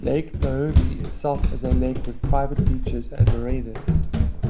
Lake Naomi itself is a lake with private beaches and marinas.